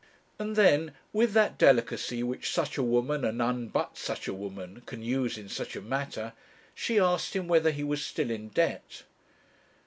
And then, with that delicacy which such a woman, and none but such a woman, can use in such a matter, she asked him whether he was still in debt.